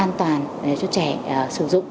an toàn cho trẻ sử dụng